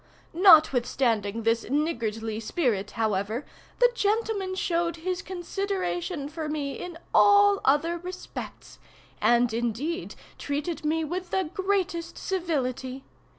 Notwithstanding this niggardly spirit, however, the gentleman showed his consideration for me in all other respects, and indeed treated me with the greatest civility.